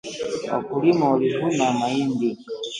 Wakulima walivuna mahindi